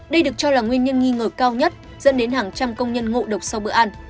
đây được cho là nguyên nhân nghi ngờ cao nhất dẫn đến hàng trăm công nhân ngộ độc sau bữa ăn